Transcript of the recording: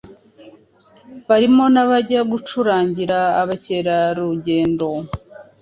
barimo n’abajya bacurangira abakerarugendo